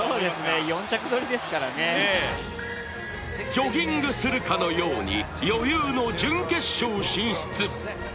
ジョギングするかのように余裕の準決勝進出。